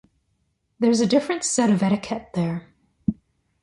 There's a different set of etiquette there.